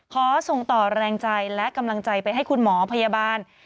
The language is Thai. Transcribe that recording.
ขอส่งต่อแรงใจและกำลังใจไปให้คุณหมอพยาบาล